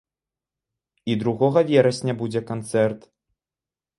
І другога верасня будзе канцэрт.